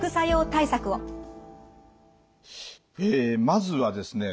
まずはですね